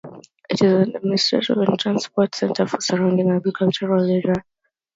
It is the administrative and transport center for the surrounding agricultural area.